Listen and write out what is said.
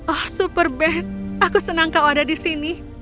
oh super band aku senang kau ada di sini